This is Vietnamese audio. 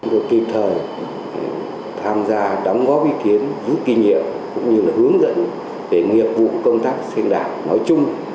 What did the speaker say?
được kịp thời tham gia đóng góp ý kiến giúp kỷ niệm cũng như là hướng dẫn về nghiệp vụ công tác sinh đảng nói chung